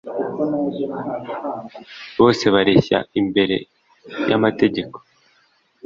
bose bareshya imbere y'amategeko